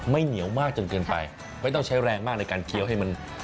เหนียวมากจนเกินไปไม่ต้องใช้แรงมากในการเคี้ยวให้มัน